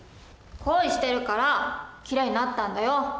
恋してるからきれいになったんだよ。